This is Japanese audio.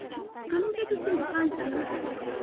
可能性としても３者あるわけです。